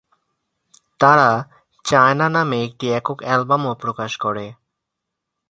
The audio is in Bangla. তারা "চায়না" নামে একটি একক অ্যালবামও প্রকাশ করে।